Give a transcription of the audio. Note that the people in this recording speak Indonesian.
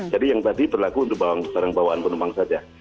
jadi yang tadi berlaku untuk barang bawaan penumpang saja